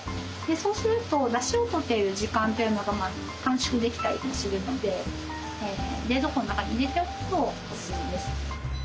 そうするとだしを取っている時間というのが短縮できたりするので冷蔵庫の中に入れておくとおすすめです。